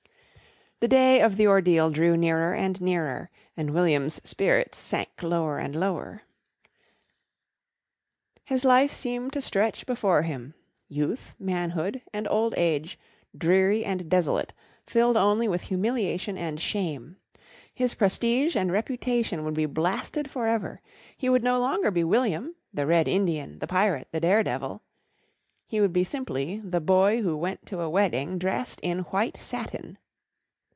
The day of the ordeal drew nearer and nearer, and William's spirits sank lower and lower. His life seemed to stretch before him youth, manhood, and old age dreary and desolate, filled only with humiliation and shame. His prestige and reputation would be blasted for ever. He would no longer be William the Red Indian, the pirate, the daredevil. He would simply be the Boy Who Went to a Wedding Dressed in White Satin.